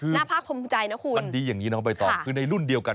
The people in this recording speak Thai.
น่าภาคภูมิใจนะคุณค่ะคือในรุ่นเดียวกัน